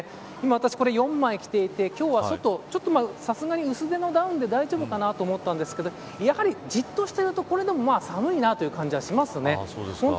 私今、４枚着ていて今日は外、さすがに薄手のダウンで大丈夫かなと思ったんですけどやはり、じっとしてるとこれでも寒いなという感じがしますね。